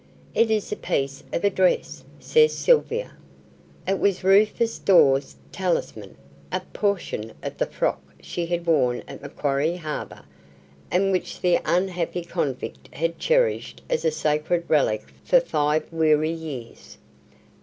"It is a piece of a dress," says Sylvia. It was Rufus Dawes's talisman a portion of the frock she had worn at Macquarie Harbour, and which the unhappy convict had cherished as a sacred relic for five weary years.